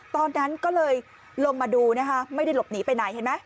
ตอนนั้นก็เลยลงมาดูนะคะไม่ได้หลบหนีไปไหนเห็นไหม